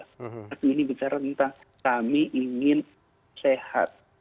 tapi ini bicara tentang kami ingin sehat